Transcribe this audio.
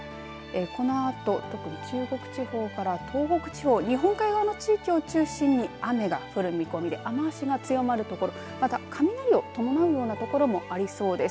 このあと特に中国地方から東北地方日本海側の地域を中心に雨が降る見込みで雨足が強まる所また雷を伴う所もありそうです。